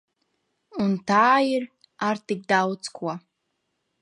Un tā ir ar tik daudz ko.